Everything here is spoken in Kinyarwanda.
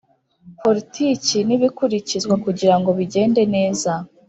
Politiki n ibikurikizwa kugirango bigende neza